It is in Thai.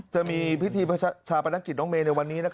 จะมีพิธีประชาปนักกิจน้องเมย์ในวันนี้นะครับ